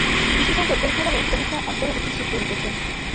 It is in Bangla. বিশেষায়িত পরীক্ষাগারে শ্রমিকরা একবারে একটি শিট তৈরী করতেন।